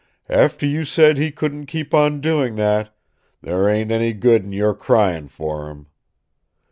After you said he couldn't keep on doing that, there ain't any good in your crying for him.